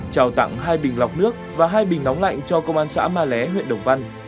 trao tặng hai bình lọc nước và hai bình nóng lạnh cho công an xã ma lé huyện đồng văn